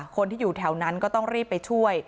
คนที่อยู่แถวนั้นก็ต้องรีบไปช่วย